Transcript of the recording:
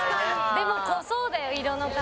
でも濃そうだよ色の感じは」